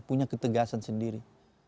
punya ketegasan sendiri